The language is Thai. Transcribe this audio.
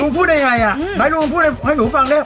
ลุงคุ้นได้ไงอะไหนลุงแบบให้หนูฟังละ